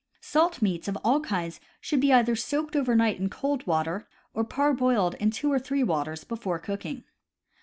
Salt meats of all kinds should either be soaked over night in cold water or parboiled in two or three waters before cooking.